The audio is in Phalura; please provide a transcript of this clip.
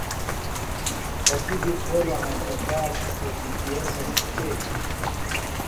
کتیۡ بیۡ کھولوۡ ہینتہ کاڇ، اتِیتے سےۡ څیکیۡ